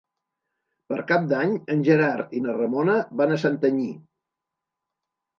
Per Cap d'Any en Gerard i na Ramona van a Santanyí.